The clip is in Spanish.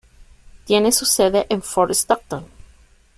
Tiene su sede en Fort Stockton.